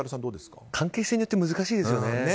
関係性によって難しいですよね。